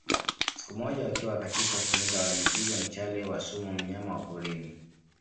Sik moja wakiwa katika kuwinda walimpiga mshale wa sumu mnyama wa porini